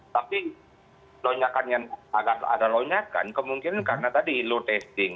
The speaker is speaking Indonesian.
tapi ada pelonjakan kemungkinan karena tadi low testing